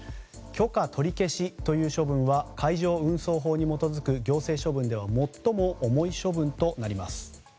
許可取り消しという処分は海上運送法に基づく行政処分では最も重い処分となります。